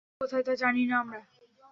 ও কোথায়, তা জানি না আমরা।